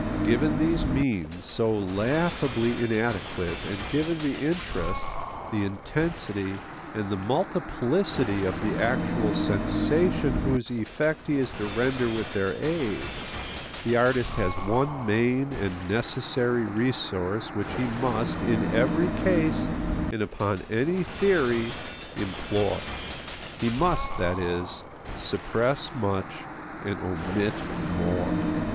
Given these means, so laughably inadequate, and given the interest, the intensity, and the multiplicity of the actual sensation whose effect he is to render with their aid, the artist has one main and necessary resource which he must, in every case and upon any theory, employ. He must, that is, suppress much and omit more.